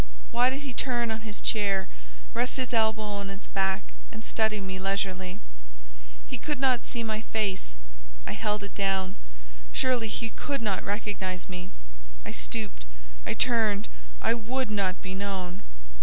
why did he turn on his chair, rest his elbow on its back, and study me leisurely? He could not see my face, I held it down; surely, he could not recognise me: I stooped, I turned, I would not be known.